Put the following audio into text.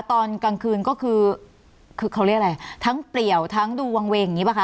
ตอนกลางคืนก็คือคือเขาเรียกอะไรทั้งเปลี่ยวทั้งดูวางเวงอย่างนี้ป่ะค